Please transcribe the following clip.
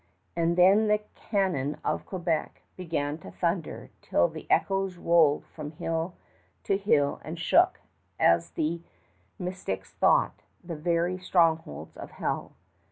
And then the cannon of Quebec began to thunder till the echoes rolled from hill to hill and shook as the mystics thought the very strongholds of hell.